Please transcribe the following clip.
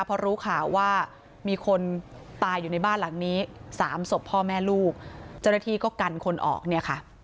พอรู้ข่าวว่ามีคนตายอยู่ในบ้านหลังนี้สามศพพ่อแม่ลูกเจ้าหน้าที่ก็กันคนออกเนี่ยค่ะ